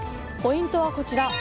ポイントはこちら。